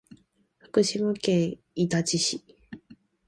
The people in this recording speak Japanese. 福島県伊達市